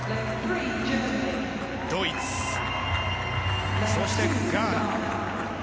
ドイツ、そしてガーナ。